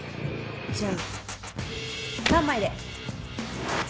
じゃあ３枚で。